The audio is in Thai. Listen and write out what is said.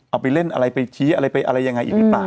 เอาไปเล่นอะไรไปชี้อะไรไปอะไรยังไงอีกหรือเปล่า